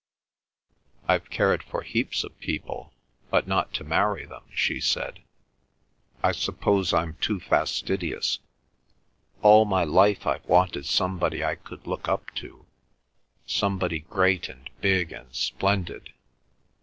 "I've cared for heaps of people, but not to marry them," she said. "I suppose I'm too fastidious. All my life I've wanted somebody I could look up to, somebody great and big and splendid.